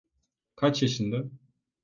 Kaç yaşında?